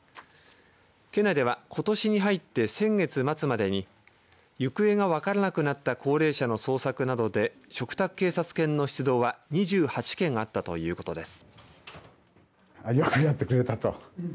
県内ではことしに入って先月末までに行方が分からなくなった高齢者の捜索などで嘱託警察犬の出動は２８件あったということです。